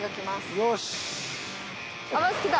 よし。